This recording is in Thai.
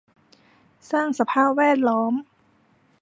สร้างสภาพแวดล้อม